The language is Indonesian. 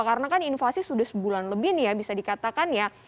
karena kan invasi sudah sebulan lebih bisa dikatakan